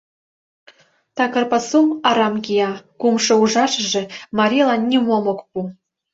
Такыр пасу арам кия, кумшо ужашыже марийлан нимом ок пу.